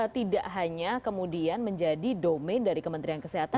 tidak hanya kemudian menjadi domain dari kementerian kesehatan